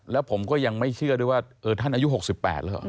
แล้วผมก็ยังไม่เชื่อด้วยว่าท่านอายุ๖๘แล้วเหรอ